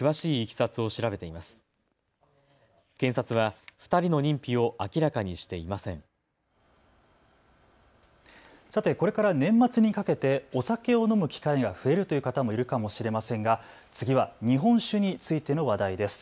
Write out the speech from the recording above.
さてこれから年末にかけてお酒を飲む機会が増えるという方もいるかもしれませんが次は日本酒についての話題です。